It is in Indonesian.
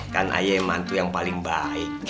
kan ayah yang mantu yang paling baik